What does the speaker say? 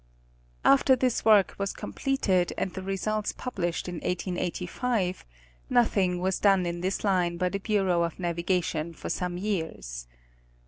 After this work was completed and the results published in 1885, nothing was done in this line by the Bureau of Navigation for some years.